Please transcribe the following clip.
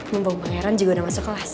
mumpung pangeran juga udah masuk kelas